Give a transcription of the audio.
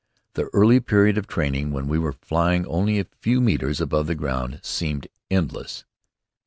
The early period of training, when we were flying only a few metres above the ground, seemed endless.